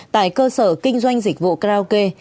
tại cơ sở kinh doanh dịch vụ karaoke